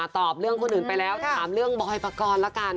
ตอบเรื่องคนอื่นไปแล้วถามเรื่องบอยปกรณ์ละกัน